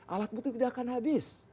alat bukti tidak akan habis